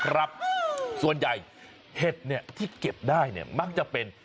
ครับส่วนใหญ่เฮ็ดที่เก็บได้มักจะเป็น